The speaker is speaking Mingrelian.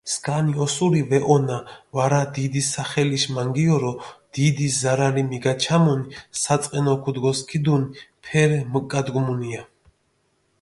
სქანი ოსური ვეჸონა ვარა, დიდი სახელიშ მანგიორო დიდი ზარალი მიგაჩამუნ, საწყენო ქჷდგოსქიდუნ ფერი მუკგადგუმუნია.